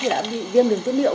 thì đã bị viêm đường tiết liệu